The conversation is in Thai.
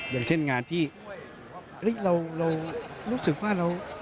อย่างเช่นงานที่เรารู้สึกว่าเรา